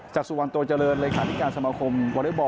จากสุวรรณโตเจริญเลขาธิการสมาคมวอเล็กบอล